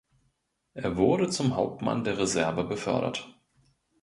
Er wurde zum Hauptmann der Reserve befördert.